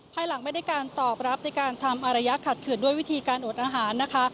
ภายหลังไม่ได้การตอบรับในการทำอารยะขัดขืนด้วยวิธีการอดอาหารนะคะ